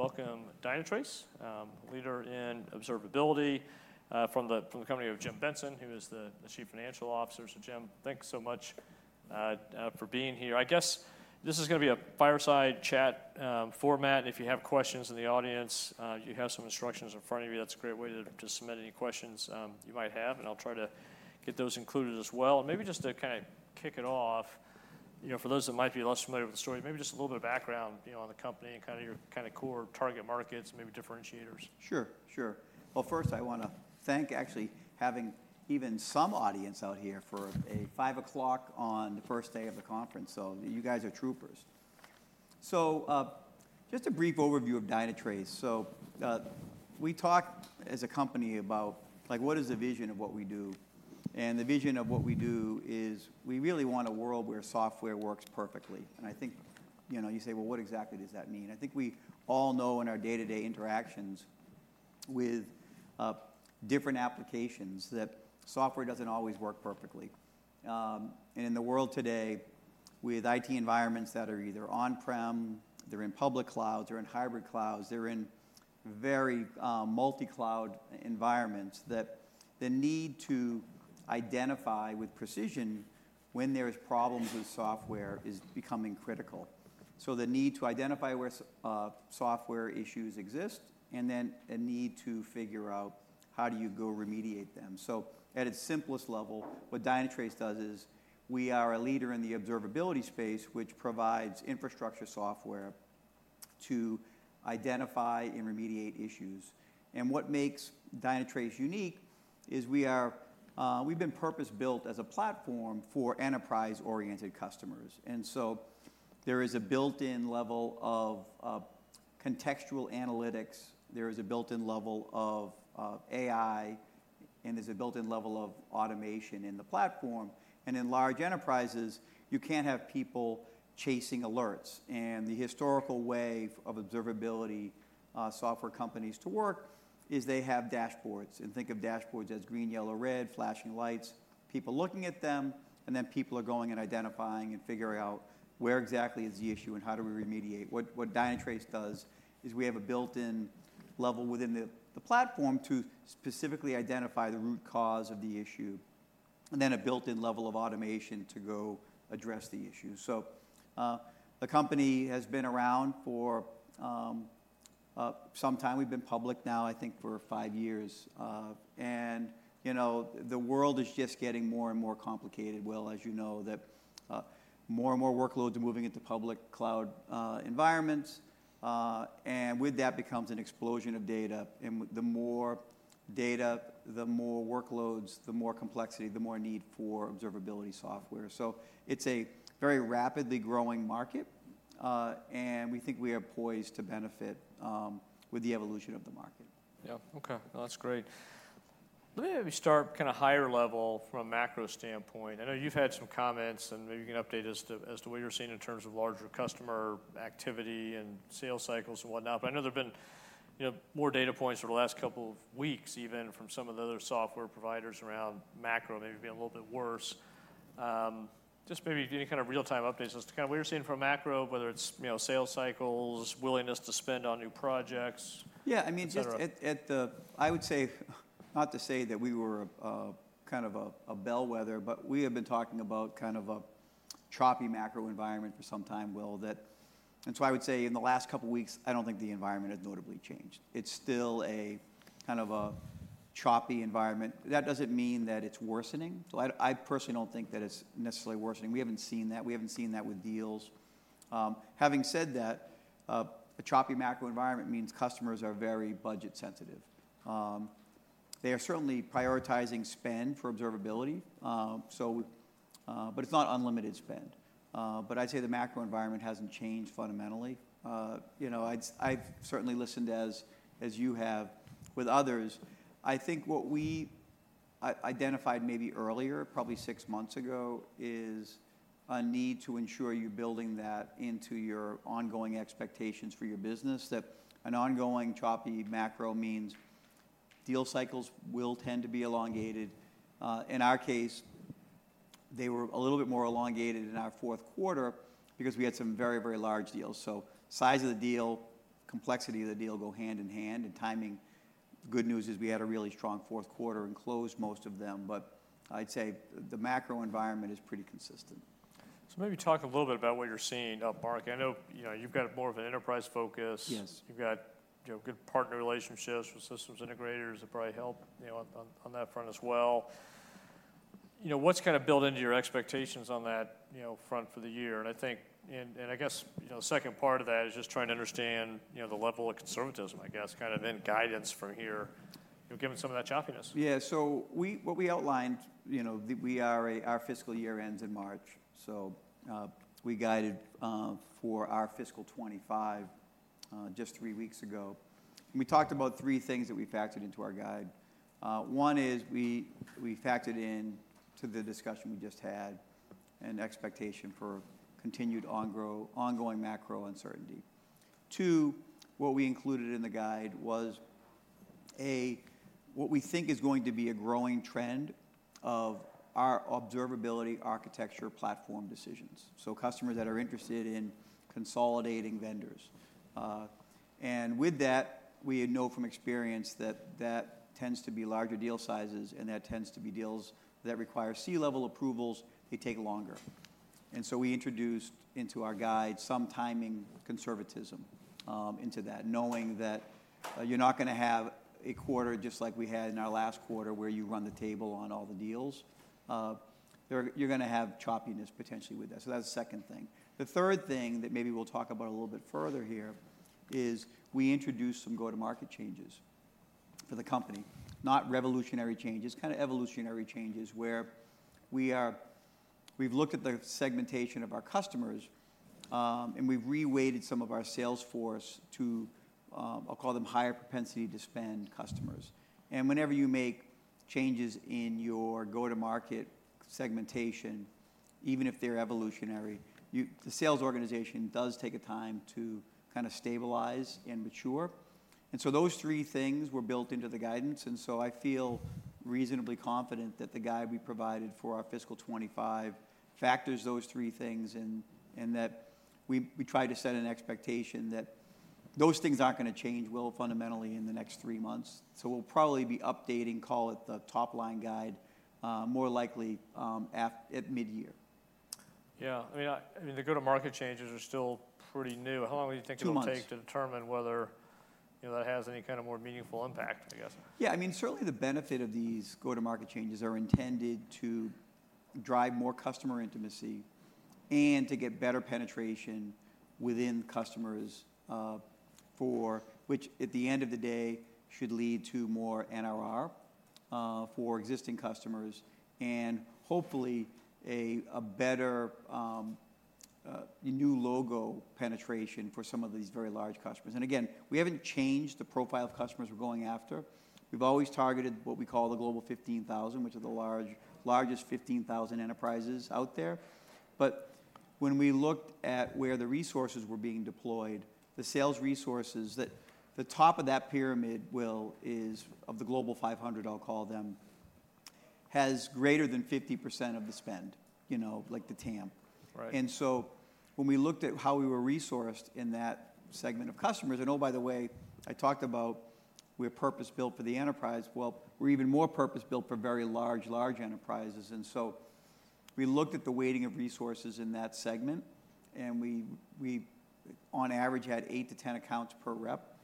To welcome Dynatrace, a leader in observability, from the company of Jim Benson, who is the Chief Financial Officer. So Jim, thanks so much for being here. I guess this is gonna be a fireside chat format, and if you have questions in the audience, you have some instructions in front of you. That's a great way to submit any questions you might have, and I'll try to get those included as well. Maybe just to kinda kick it off, you know, for those that might be less familiar with the story, maybe just a little bit of background, you know, on the company and kinda your kinda core target markets and maybe differentiators. Sure. Sure. Well, first I wanna thank actually having even some audience out here for 5:00 P.M. on the first day of the conference, so you guys are troopers. So, just a brief overview of Dynatrace. So, we talk as a company about, like, what is the vision of what we do, and the vision of what we do is we really want a world where software works perfectly. And I think, you know, you say: Well, what exactly does that mean? I think we all know in our day-to-day interactions with different applications, that software doesn't always work perfectly. And in the world today, with IT environments that are either on-prem, they're in public clouds, they're in hybrid clouds, they're in very multi-cloud environments, that the need to identify with precision when there is problems with software is becoming critical. So the need to identify where software issues exist, and then a need to figure out how do you go remediate them. So at its simplest level, what Dynatrace does is we are a leader in the observability space, which provides infrastructure software to identify and remediate issues. And what makes Dynatrace unique is we are, we've been purpose-built as a platform for enterprise-oriented customers, and so there is a built-in level of contextual analytics, there is a built-in level of AI, and there's a built-in level of automation in the platform. And in large enterprises, you can't have people chasing alerts, and the historical way of observability software companies to work is they have dashboards. Think of dashboards as green, yellow, red, flashing lights, people looking at them, and then people are going and identifying and figuring out where exactly is the issue and how do we remediate. What Dynatrace does is we have a built-in level within the platform to specifically identify the root cause of the issue, and then a built-in level of automation to go address the issue. The company has been around for some time. We've been public now, I think, for five years. You know, the world is just getting more and more complicated. Well, as you know, more and more workloads are moving into public cloud environments, and with that becomes an explosion of data, and the more data, the more workloads, the more complexity, the more need for observability software. So it's a very rapidly growing market, and we think we are poised to benefit with the evolution of the market. Yeah. Okay. Well, that's great. Let me have you start kinda higher level from a macro standpoint. I know you've had some comments, and maybe you can update us to, as to what you're seeing in terms of larger customer activity and sales cycles and whatnot, but I know there have been, you know, more data points over the last couple of weeks, even from some of the other software providers around macro maybe being a little bit worse. Just maybe give any kind of real-time updates as to kinda what you're seeing from a macro, whether it's, you know, sales cycles, willingness to spend on new projects- Yeah, I mean- Et cetera. Just at the, I would say, not to say that we were kind of a bellwether, but we have been talking about kind of a choppy macro environment for some time, Will, that. And so I would say in the last couple weeks, I don't think the environment has notably changed. It's still kind of a choppy environment. That doesn't mean that it's worsening. So I personally don't think that it's necessarily worsening. We haven't seen that. We haven't seen that with deals. Having said that, a choppy macro environment means customers are very budget sensitive. They are certainly prioritizing spend for observability, so, but it's not unlimited spend. But I'd say the macro environment hasn't changed fundamentally. You know, I've certainly listened as you have with others. I think what we identified maybe earlier, probably six months ago, is a need to ensure you're building that into your ongoing expectations for your business, that an ongoing choppy macro means deal cycles will tend to be elongated. In our case, they were a little bit more elongated in our fourth quarter because we had some very, very large deals. So size of the deal, complexity of the deal go hand in hand, and timing. The good news is we had a really strong fourth quarter and closed most of them, but I'd say the macro environment is pretty consistent. So maybe talk a little bit about what you're seeing up market. I know, you know, you've got more of an enterprise focus. Yes. You've got, you know, good partner relationships with systems integrators that probably help, you know, on that front as well. You know, what's kind of built into your expectations on that, you know, front for the year? And I think—and I guess, you know, the second part of that is just trying to understand, you know, the level of conservatism, I guess, kind of in guidance from here, you know, given some of that choppiness. Yeah. So we, what we outlined, you know. Our fiscal year ends in March, so we guided for our fiscal 25 just three weeks ago. And we talked about three things that we factored into our guide. One is we factored in to the discussion we just had, an expectation for continued ongoing macro uncertainty. Two, what we included in the guide was a what we think is going to be a growing trend of our observability architecture platform decisions, so customers that are interested in consolidating vendors. And with that, we know from experience that that tends to be larger deal sizes, and that tends to be deals that require C-level approvals. They take longer. And so we introduced into our guide some timing conservatism, into that, knowing that, you're not gonna have a quarter just like we had in our last quarter, where you run the table on all the deals. You're gonna have choppiness potentially with that. So that's the second thing. The third thing that maybe we'll talk about a little bit further here is we introduced some go-to-market changes for the company. Not revolutionary changes, kind of evolutionary changes, where we've looked at the segmentation of our customers, and we've reweighted some of our sales force to, I'll call them, higher propensity to spend customers. And whenever you make changes in your go-to-market segmentation, even if they're evolutionary, the sales organization does take a time to kind of stabilize and mature. And so those three things were built into the guidance, and so I feel reasonably confident that the guide we provided for our fiscal 2025 factors those three things, and that we try to set an expectation that those things aren't gonna change, Will, fundamentally in the next three months. So we'll probably be updating, call it the top-line guide, more likely, at midyear. Yeah. I mean, the go-to-market changes are still pretty new. How long do you think it will take? Two months To determine whether, you know, that has any kind of more meaningful impact, I guess? Yeah. I mean, certainly the benefit of these go-to-market changes are intended to drive more customer intimacy and to get better penetration within customers, which, at the end of the day, should lead to more NRR for existing customers and hopefully a better new logo penetration for some of these very large customers. And again, we haven't changed the profile of customers we're going after. We've always targeted what we call the Global 15,000, which are the largest 15,000 enterprises out there. But when we looked at where the resources were being deployed, the sales resources, that the top of that pyramid, Will, is, of the Global 500, I'll call them, has greater than 50% of the spend, you know, like the TAM. Right. And so when we looked at how we were resourced in that segment of customers. And, oh, by the way, I talked about we're purpose-built for the enterprise. Well, we're even more purpose-built for very large, large enterprises. And so we looked at the weighting of resources in that segment, and we on average, had 8-10 accounts per rep,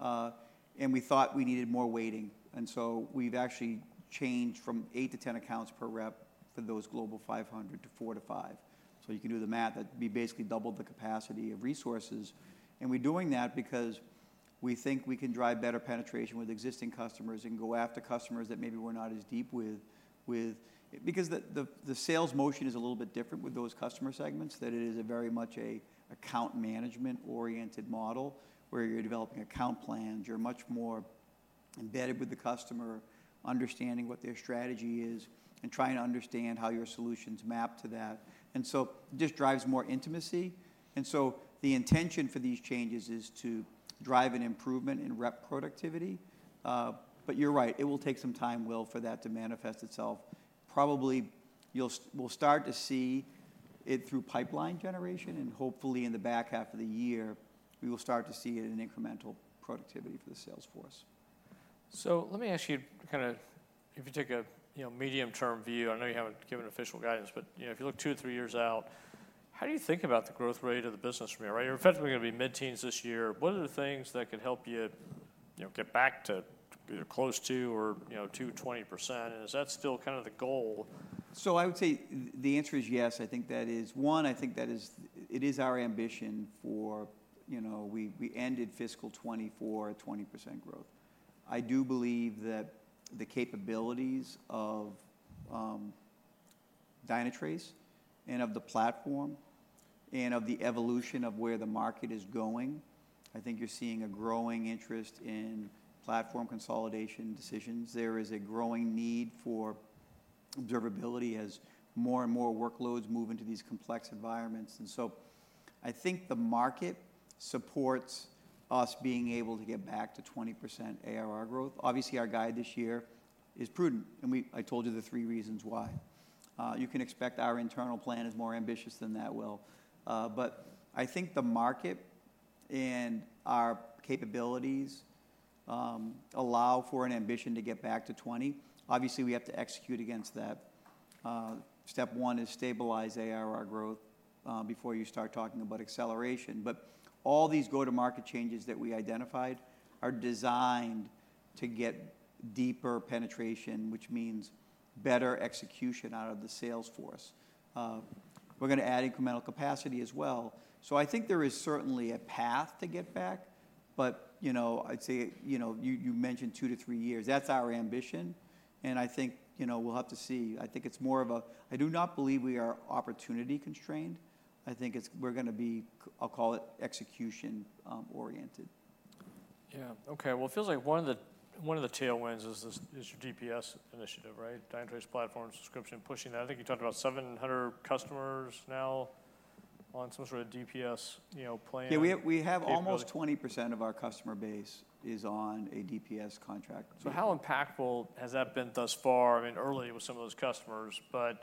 and we thought we needed more weighting. And so we've actually changed from 8-10 accounts per rep for those Global 500 to 4-5. So you can do the math. That'd be basically double the capacity of resources. And we're doing that because we think we can drive better penetration with existing customers and go after customers that maybe we're not as deep with, with Because the sales motion is a little bit different with those customer segments, that it is very much an account management-oriented model, where you're developing account plans. You're much more embedded with the customer, understanding what their strategy is, and trying to understand how your solutions map to that, and so just drives more intimacy. And so the intention for these changes is to drive an improvement in rep productivity. But you're right, it will take some time, Will, for that to manifest itself. Probably we'll start to see it through pipeline generation, and hopefully, in the back half of the year, we will start to see it in incremental productivity for the sales force. So let me ask you, kinda if you take a, you know, medium-term view, I know you haven't given official guidance, but, you know, if you look 2-3 years out, how do you think about the growth rate of the business from here, right? You're effectively gonna be mid-teens this year. What are the things that could help you, you know, get back to, you know, close to or, you know, to 20%, and is that still kind of the goal? So I would say the answer is yes. I think that is it is our ambition for. You know, we ended fiscal 2024 at 20% growth. I do believe that the capabilities of Dynatrace and of the platform and of the evolution of where the market is going, I think you're seeing a growing interest in platform consolidation decisions. There is a growing need for observability as more and more workloads move into these complex environments. And so I think the market supports us being able to get back to 20% ARR growth. Obviously, our guide this year is prudent, and I told you the three reasons why. You can expect our internal plan is more ambitious than that, Will. But I think the market and our capabilities allow for an ambition to get back to 20. Obviously, we have to execute against that. Step one is stabilize ARR growth before you start talking about acceleration. But all these go-to-market changes that we identified are designed to get deeper penetration, which means better execution out of the sales force. We're gonna add incremental capacity as well. So I think there is certainly a path to get back, but, you know, I'd say, you know, you, you mentioned 2-3 years. That's our ambition, and I think, you know, we'll have to see. I think it's more of a. I do not believe we are opportunity-constrained. I think it's execution oriented. Yeah. Okay, well, it feels like one of the, one of the tailwinds is this, is your DPS initiative, right? Dynatrace Platform Subscription, pushing that. I think you talked about 700 customers now? On some sort of DPS, you know, plan? Yeah, we have almost 20% of our customer base is on a DPS contract. So how impactful has that been thus far? I mean, early with some of those customers, but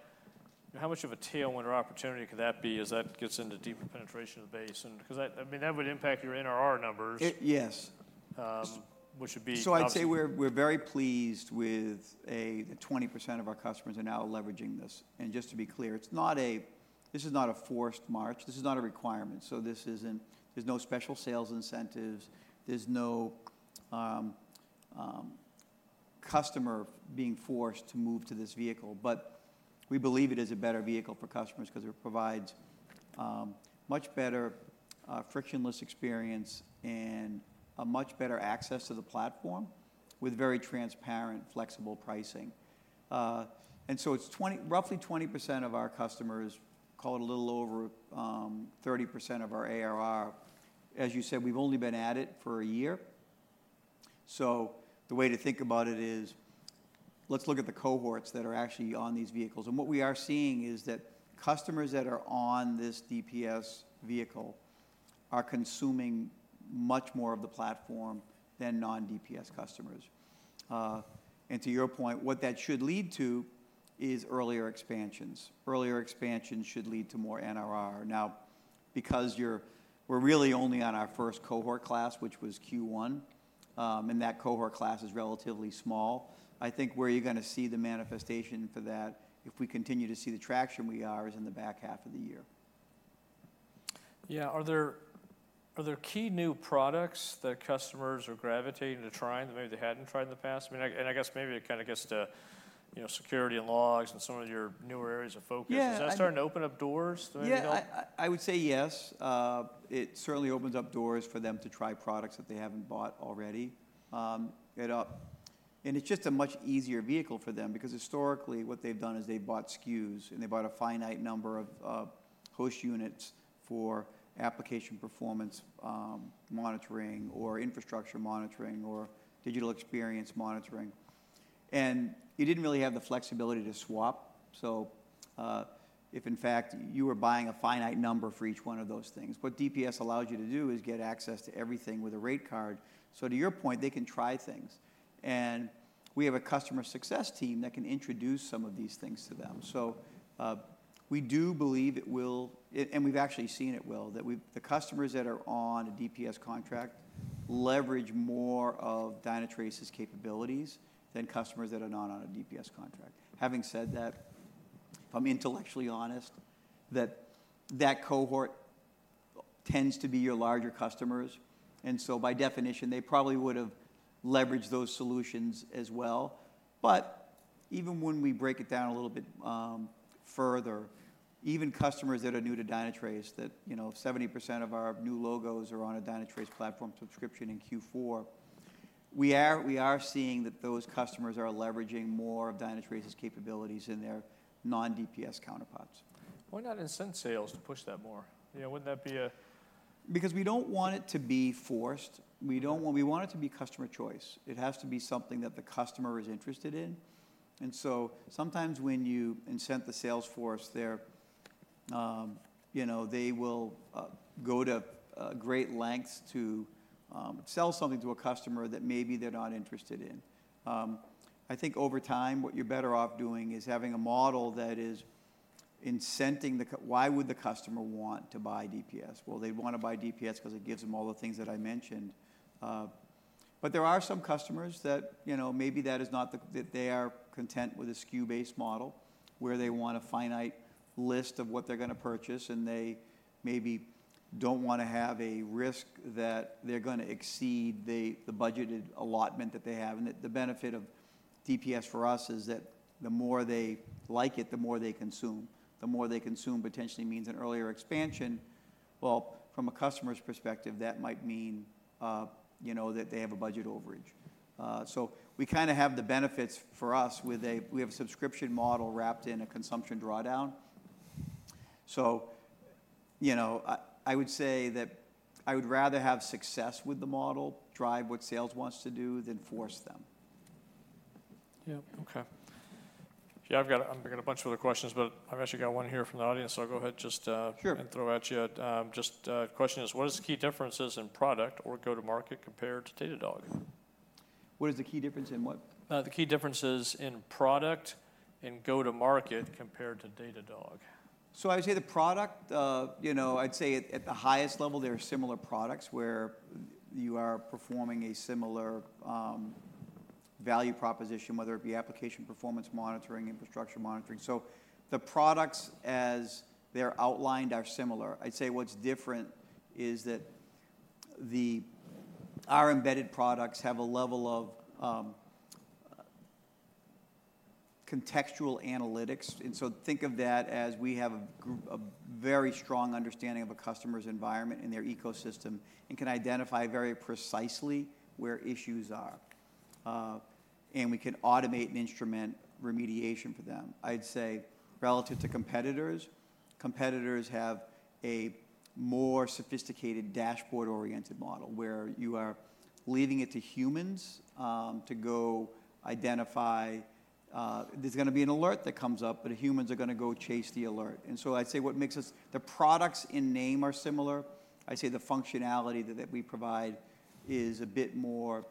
how much of a tailwind or opportunity could that be as that gets into deeper penetration of the base? And 'cause I mean, that would impact your NRR numbers- It, yes. which would be obviously- So I'd say we're very pleased with the 20% of our customers are now leveraging this. And just to be clear, it's not a forced march. This is not a requirement. So this isn't, there's no special sales incentives. There's no customer being forced to move to this vehicle. But we believe it is a better vehicle for customers 'cause it provides much better frictionless experience and a much better access to the platform, with very transparent, flexible pricing. And so it's 20, roughly 20% of our customers, call it a little over 30% of our ARR. As you said, we've only been at it for a year, so the way to think about it is, let's look at the cohorts that are actually on these vehicles. What we are seeing is that customers that are on this DPS vehicle are consuming much more of the platform than non-DPS customers. And to your point, what that should lead to is earlier expansions. Earlier expansions should lead to more NRR. Now, because we're really only on our first cohort class, which was Q1, and that cohort class is relatively small, I think where you're gonna see the manifestation for that, if we continue to see the traction we are, is in the back half of the year. Yeah. Are there, are there key new products that customers are gravitating to trying that maybe they hadn't tried in the past? I mean, and I guess maybe it kind of gets to, you know, security and logs and some of your newer areas of focus. Yeah, I- Is that starting to open up doors, do you know? Yeah, I would say yes. It certainly opens up doors for them to try products that they haven't bought already. And it's just a much easier vehicle for them because historically, what they've done is they've bought SKUs, and they bought a finite number of host units for application performance monitoring or infrastructure monitoring or digital experience monitoring. And you didn't really have the flexibility to swap, so if in fact, you were buying a finite number for each one of those things. What DPS allows you to do is get access to everything with a rate card. So to your point, they can try things, and we have a customer success team that can introduce some of these things to them. So we do believe it will. And we've actually seen it, well, that we've the customers that are on a DPS contract leverage more of Dynatrace's capabilities than customers that are not on a DPS contract. Having said that, if I'm intellectually honest, that cohort tends to be your larger customers, and so by definition, they probably would have leveraged those solutions as well. But even when we break it down a little bit further, even customers that are new to Dynatrace, you know, 70% of our new logos are on a Dynatrace Platform Subscription in Q4, we are seeing that those customers are leveraging more of Dynatrace's capabilities than their non-DPS counterparts. Why not incent sales to push that more? You know, wouldn't that be a- Because we don't want it to be forced. We don't want. We want it to be customer choice. It has to be something that the customer is interested in. And so sometimes when you incent the sales force, they're, you know, they will go to great lengths to sell something to a customer that maybe they're not interested in. I think over time, what you're better off doing is having a model that is incenting the why would the customer want to buy DPS? Well, they'd want to buy DPS 'cause it gives them all the things that I mentioned. But there are some customers that, you know, maybe that is not the, that they are content with a SKU-based model, where they want a finite list of what they're gonna purchase, and they maybe don't want to have a risk that they're gonna exceed the, the budgeted allotment that they have. And that the benefit of DPS for us is that the more they like it, the more they consume. The more they consume potentially means an earlier expansion. Well, from a customer's perspective, that might mean, you know, that they have a budget overage. So we kinda have the benefits for us with a, we have a subscription model wrapped in a consumption drawdown. So, you know, I, I would say that I would rather have success with the model, drive what sales wants to do than force them. Yeah. Okay. Yeah, I've got a, I've got a bunch of other questions, but I've actually got one here from the audience, so I'll go ahead and just, Sure And throw at you. Just, question is: What is the key differences in product or go-to-market compared to Datadog? What is the key difference in what? The key differences in product and go-to-market compared to Datadog. So I would say the product, you know, I'd say at the highest level, they're similar products, where you are performing a similar value proposition, whether it be application performance monitoring, infrastructure monitoring. So the products, as they're outlined, are similar. I'd say what's different is that our embedded products have a level of contextual analytics. And so think of that as we have a group, a very strong understanding of a customer's environment and their ecosystem and can identify very precisely where issues are. And we can automate and instrument remediation for them. I'd say relative to competitors, competitors have more sophisticated dashboard-oriented model, where you are leaving it to humans to go identify. There's gonna be an alert that comes up, but humans are gonna go chase the alert. I'd say what makes us—the products and name are similar. I'd say the functionality that, that we provide is a bit more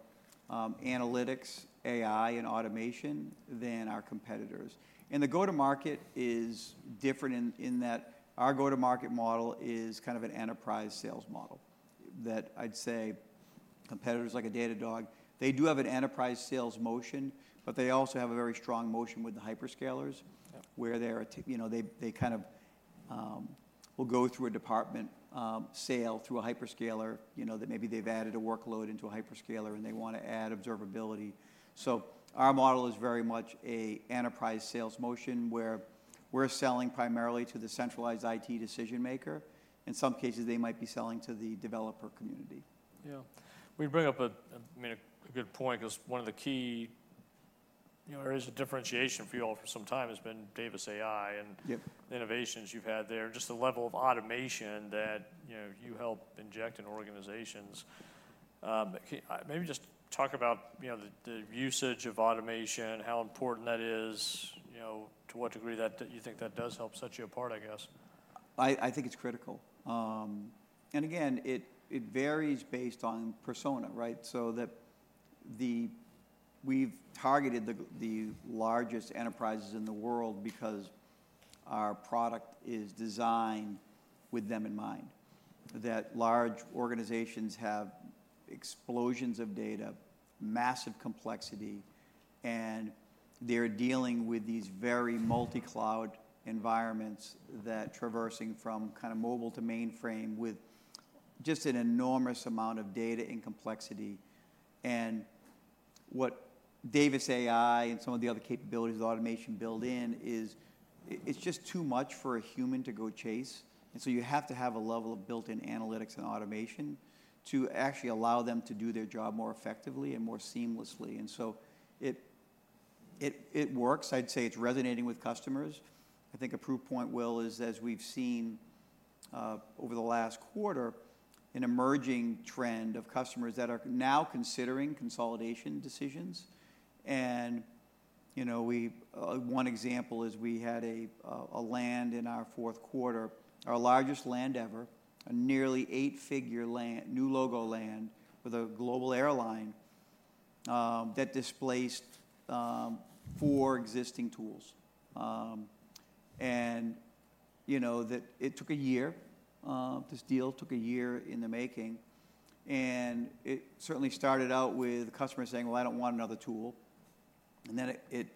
analytics, AI, and automation than our competitors. And the go-to-market is different in, in that our go-to-market model is kind of an enterprise sales model, that I'd say competitors, like a Datadog, they do have an enterprise sales motion, but they also have a very strong motion with the hyperscalers- Yeah. Where they're, you know, they kind of will go through a department sale, through a hyperscaler. You know, that maybe they've added a workload into a hyperscaler, and they want to add observability. So our model is very much an enterprise sales motion, where we're selling primarily to the centralized IT decision maker. In some cases, they might be selling to the developer community. Yeah. Well, you bring up a, I mean, a good point, 'cause one of the key, you know, areas of differentiation for you all for some time has been Davis AI and- Yep Innovations you've had there, just the level of automation that, you know, you help inject in organizations. Maybe just talk about, you know, the usage of automation, how important that is, you know, to what degree that you think that does help set you apart, I guess. I think it's critical. And again, it varies based on persona, right? So we've targeted the largest enterprises in the world because our product is designed with them in mind, that large organizations have explosions of data, massive complexity, and they're dealing with these very multi-cloud environments that traversing from kinda mobile to mainframe, with just an enormous amount of data and complexity. And what Davis AI and some of the other capabilities of automation build in is, it's just too much for a human to go chase, and so you have to have a level of built-in analytics and automation to actually allow them to do their job more effectively and more seamlessly. And so it works. I'd say it's resonating with customers. I think a proof point, Will, is, as we've seen, over the last quarter, an emerging trend of customers that are now considering consolidation decisions. You know, one example is we had a land in our fourth quarter, our largest land ever, a nearly eight-figure land, new logo land, with a global airline, that displaced 4 existing tools. And, you know, that it took a year, this deal took a year in the making, and it certainly started out with the customer saying: "Well, I don't want another tool." And then it, it,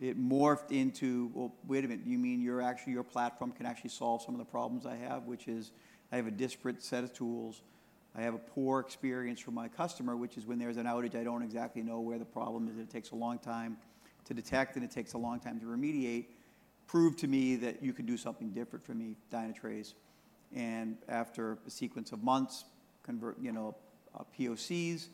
it morphed into: "Well, wait a minute, you mean you're actually, your platform can actually solve some of the problems I have? Which is, I have a disparate set of tools. I have a poor experience from my customer, which is when there's an outage, I don't exactly know where the problem is, and it takes a long time to detect, and it takes a long time to remediate. Prove to me that you can do something different for me, Dynatrace." And after a sequence of months, convert, you know, POCs,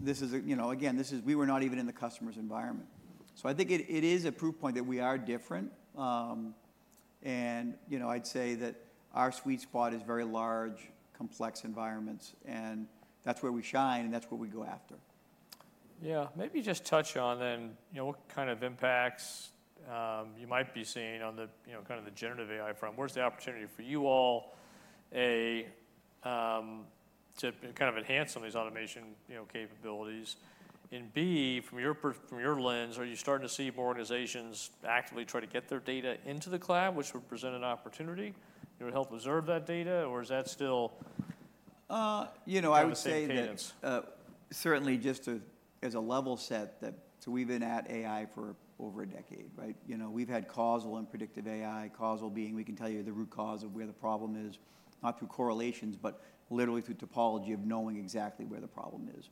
this is a, you know. Again, this is- we were not even in the customer's environment. So I think it is a proof point that we are different, and, you know, I'd say that our sweet spot is very large, complex environments, and that's where we shine, and that's what we go after. Yeah. Maybe just touch on, then, you know, what kind of impacts you might be seeing on the, you know, kind of the Generative AI front. Where's the opportunity for you all, A, to kind of enhance some of these automation, you know, capabilities? And, B, from your lens, are you starting to see more organizations actively try to get their data into the cloud, which would present an opportunity, you know, to help observe that data, or is that still- You know, I would say that- the same cadence? Certainly just to, as a level set, so we've been at AI for over a decade, right? You know, we've had causal and predictive AI, causal being we can tell you the root cause of where the problem is, not through correlations, but literally through topology of knowing exactly where the problem is.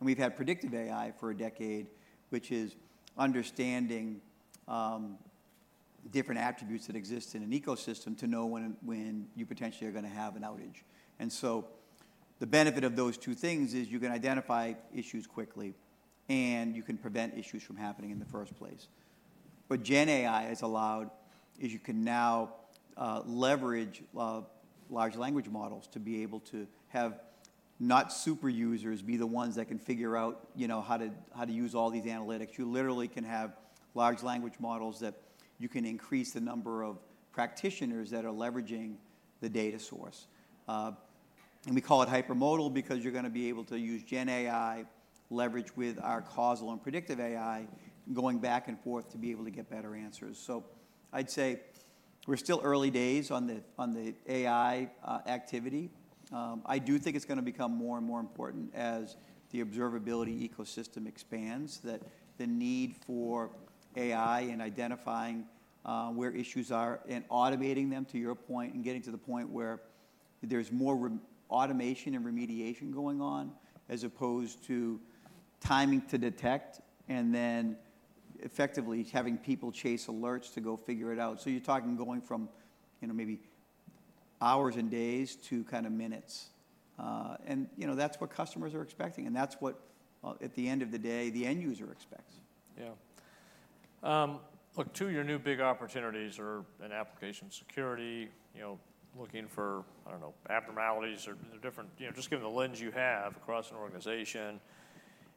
And we've had predictive AI for a decade, which is understanding different attributes that exist in an ecosystem to know when you potentially are gonna have an outage. And so the benefit of those two things is you can identify issues quickly, and you can prevent issues from happening in the first place. What gen AI has allowed is you can now leverage large language models to be able to have not super users be the ones that can figure out, you know, how to use all these analytics. You literally can have large language models that you can increase the number of practitioners that are leveraging the data source. And we call it hypermodal because you're gonna be able to use gen AI, leverage with our causal and predictive AI, going back and forth, to be able to get better answers. So I'd say we're still early days on the AI activity. I do think it's gonna become more and more important as the observability ecosystem expands, that the need for AI in identifying where issues are and automating them, to your point, and getting to the point where there's more automation and remediation going on, as opposed to time to detect and then effectively having people chase alerts to go figure it out. So you're talking going from, you know, maybe hours and days to kind of minutes. And, you know, that's what customers are expecting, and that's what, at the end of the day, the end user expects. Yeah. Look, two of your new big opportunities are in application security, you know, looking for, I don't know, abnormalities or the different, you know, just given the lens you have across an organization,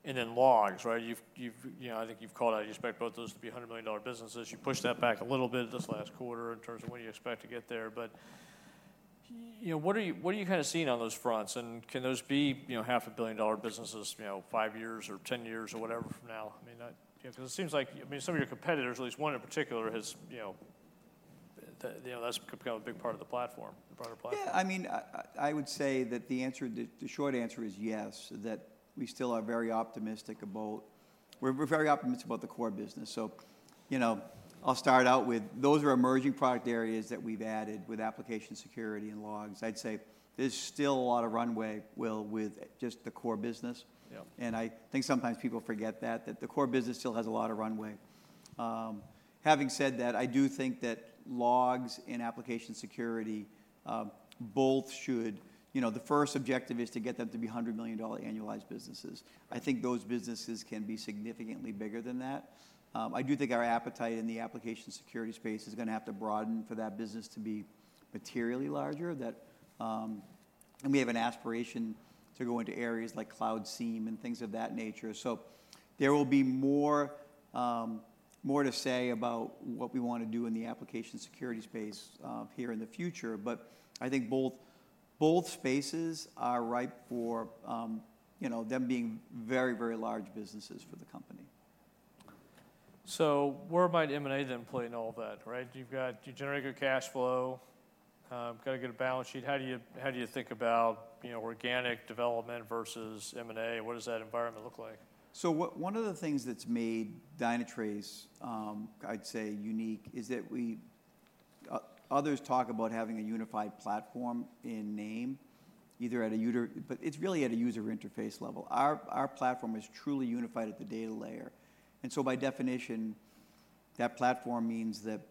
and in logs, right? You've, you know, I think you've called out, you expect both those to be $100 million businesses. You pushed that back a little bit this last quarter in terms of when you expect to get there. But, you know, what are you kinda seeing on those fronts? And can those be, you know, $500 million businesses, you know, 5 years or 10 years or whatever from now? I mean, not- You know, 'cause it seems like, I mean, some of your competitors, at least one in particular, has, you know, you know, that's become a big part of the platform, the broader platform. Yeah, I mean, I would say that the short answer is yes, that we still are very optimistic about. We're very optimistic about the core business. So, you know, I'll start out with, those are emerging product areas that we've added with Application Security and logs. I'd say there's still a lot of runway, Will, with just the core business. Yeah. I think sometimes people forget that, that the core business still has a lot of runway. Having said that, I do think that logs and application security, both should. You know, the first objective is to get them to be $100 million annualized businesses. I think those businesses can be significantly bigger than that. I do think our appetite in the application security space is gonna have to broaden for that business to be materially larger, that. And we have an aspiration to go into areas like cloud SIEM and things of that nature. So there will be more, more to say about what we want to do in the application security space, here in the future. But I think both, both spaces are ripe for, you know, them being very, very large businesses for the company. So where might M&A then play in all that, right? You generate good cash flow, got a good balance sheet. How do you, how do you think about, you know, organic development versus M&A? What does that environment look like? So one of the things that's made Dynatrace, I'd say, unique, is that others talk about having a unified platform in name only, but it's really at a user interface level. Our platform is truly unified at the data layer, and so by definition, that platform means that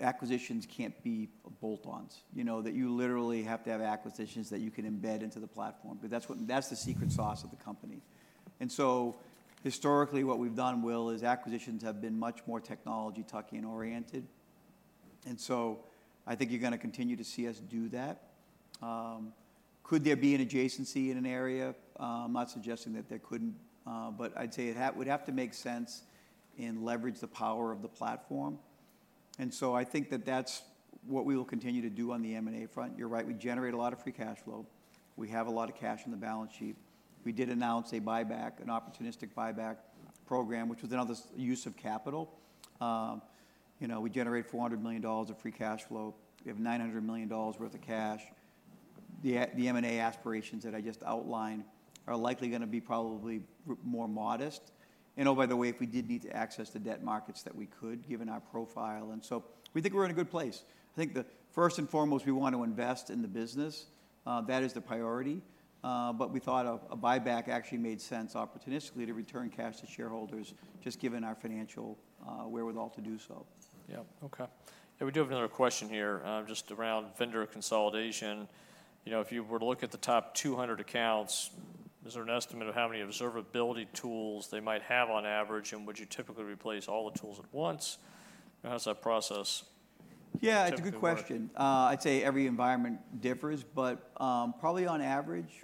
acquisitions can't be bolt-ons, you know, that you literally have to have acquisitions that you can embed into the platform, 'cause that's the secret sauce of the company. And so historically, what we've done, Will, is acquisitions have been much more technology tuck-in oriented, and so I think you're gonna continue to see us do that. Could there be an adjacency in an area? I'm not suggesting that there couldn't, but I'd say it would have to make sense and leverage the power of the platform, and so I think that that's what we will continue to do on the M&A front. You're right, we generate a lot of free cash flow. We have a lot of cash on the balance sheet. We did announce a buyback, an opportunistic buyback program, which was another use of capital. You know, we generate $400 million of free cash flow. We have $900 million worth of cash. The M&A aspirations that I just outlined are likely gonna be probably more modest. And oh, by the way, if we did need to access the debt markets, that we could, given our profile, and so we think we're in a good place. I think the first and foremost, we want to invest in the business. That is the priority. But we thought a buyback actually made sense opportunistically to return cash to shareholders, just given our financial wherewithal to do so. Yeah. Okay. Yeah, we do have another question here, just around vendor consolidation. You know, if you were to look at the top 200 accounts, is there an estimate of how many observability tools they might have on average, and would you typically replace all the tools at once? How's that process- Yeah, it's a good question. -typically work? I'd say every environment differs, but probably on average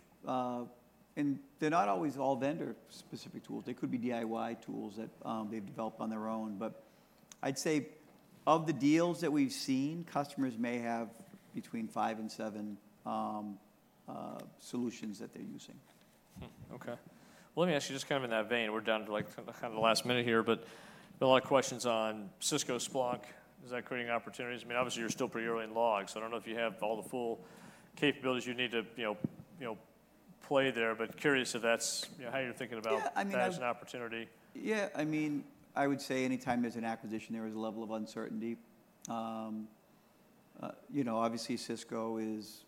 they're not always all vendor-specific tools. They could be DIY tools that they've developed on their own. But I'd say, of the deals that we've seen, customers may have between 5-7 solutions that they're using. Hmm, okay. Well, let me ask you, just kind of in that vein, we're down to, like, kind of the last minute here, but a lot of questions on Cisco Splunk. Is that creating opportunities? I mean, obviously, you're still pretty early in logs, so I don't know if you have all the full capabilities you need to, you know, you know, play there, but curious if that's, you know, how you're thinking about- Yeah, I mean, that as an opportunity. Yeah, I mean, I would say anytime there's an acquisition, there is a level of uncertainty. You know, obviously Cisco is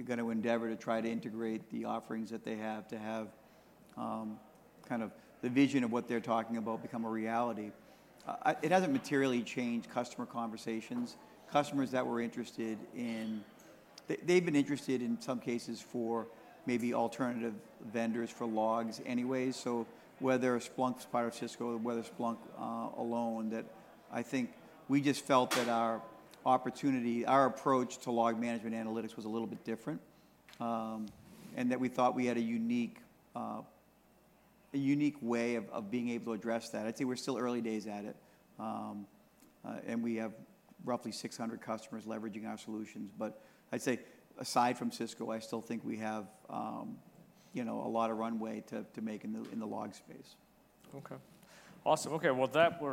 going to endeavor to try to integrate the offerings that they have, to have kind of the vision of what they're talking about become a reality. I, it hasn't materially changed customer conversations. Customers that were interested in. They, they've been interested, in some cases, for maybe alternative vendors for logs anyways, so whether Splunk's part of Cisco, whether Splunk alone, that I think we just felt that our opportunity, our approach to log management analytics was a little bit different, and that we thought we had a unique, a unique way of, of being able to address that. I'd say we're still early days at it, and we have roughly 600 customers leveraging our solutions. But I'd say, aside from Cisco, I still think we have, you know, a lot of runway to make in the log space. Okay. Awesome. Okay, well, with that, we're-